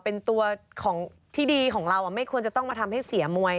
เป็นตัวของที่ดีของเราไม่ควรจะต้องมาทำให้เสียมวย